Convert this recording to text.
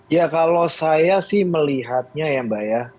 ya kalau saya sih melihatnya ya mbak ya